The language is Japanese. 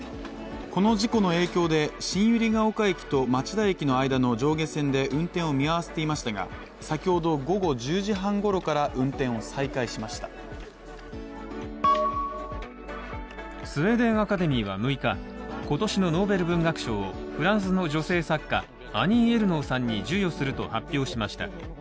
この事故の影響で新百合ヶ丘駅と町田駅の間の上下線で運転を見合わせていましたが、先ほど午後１０時半ごろから運転を再開しましたスウェーデン・アカデミーは６日、今年のノーベル文学賞をフランスの女性作家アニー・エルノーさんに授与すると発表しました。